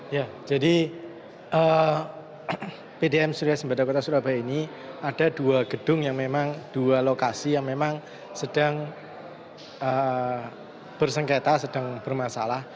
ya jadi pdam surabaya ini ada dua gedung yang memang dua lokasi yang memang sedang bersengketa sedang bermasalah